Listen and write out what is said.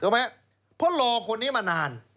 เพราะรอคนนี้มานาน